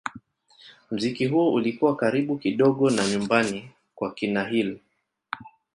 Muziki huo ulikuwa karibu kidogo na nyumbani kwa kina Hill.